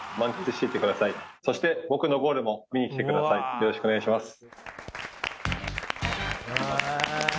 よろしくお願いします。